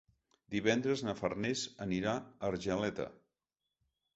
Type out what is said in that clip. Divendres na Farners anirà a Argeleta.